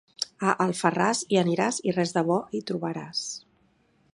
A Alfarràs hi aniràs i res de bo hi trobaràs.